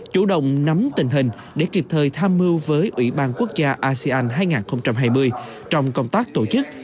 chủ động nắm tình hình để kịp thời tham mưu với ủy ban quốc gia asean hai nghìn hai mươi trong công tác tổ chức